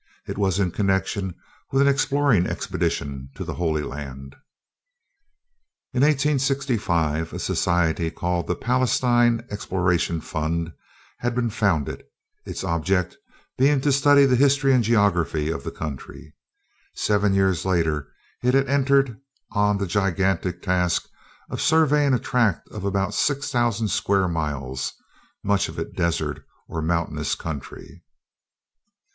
It was in connection with an exploring expedition to the Holy Land. In 1865, a society called the Palestine Exploration Fund had been founded, its object being to study the history and geography of the country. Seven years later it had entered on the gigantic task of surveying a tract of about 6,000 square miles, much of it desert or mountainous country.